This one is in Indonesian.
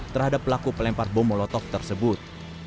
terhadap pelaku pelempar bom molotov tersebut